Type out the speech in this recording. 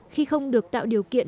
khi không được tạo điều kiện